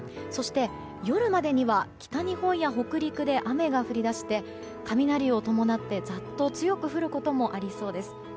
そして、夜までには北日本や北陸で雨が降り出して雷を伴ってざっと強く降ることもありそうです。